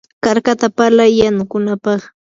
karkata palay yanukunapaq.